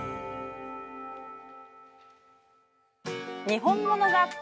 「にほんもの学校」